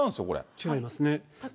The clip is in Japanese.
違いますね。